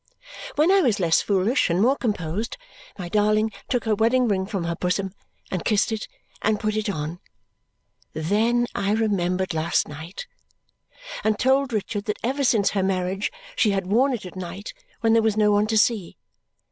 When I was less foolish and more composed, my darling took her wedding ring from her bosom, and kissed it, and put it on. Then I remembered last night and told Richard that ever since her marriage she had worn it at night when there was no one to see.